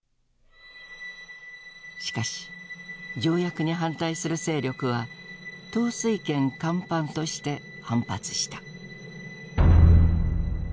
しかし条約に反対する勢力は「統帥権干犯」として反発した。